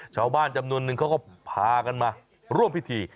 ชาวบ้านจำนวนนึงเขาก็พากันมาร่วมพิธี